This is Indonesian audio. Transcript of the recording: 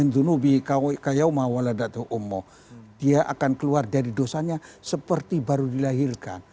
dia akan keluar dari dosanya seperti baru dilahirkan